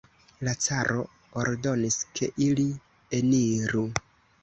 La caro ordonis, ke ili eniru.